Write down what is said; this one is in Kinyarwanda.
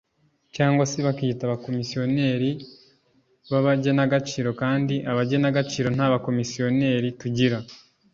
cyangwa se bakiyita abakomisiyoneri b’abagenagaciro kandi abagenagaciro nta bakomisiyoneri tugira